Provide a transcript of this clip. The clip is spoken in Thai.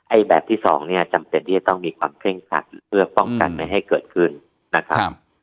แบบที่สองเนี่ยจำเป็นที่จะต้องมีความเคร่งครัดเพื่อป้องกันไม่ให้เกิดขึ้นนะครับ